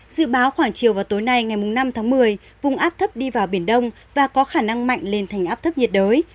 dự báo khoảng chiều và tối nay ngày năm tháng một mươi vùng áp thấp đi vào biển đông và có khả năng mạnh lên thành áp thấp nhiệt đới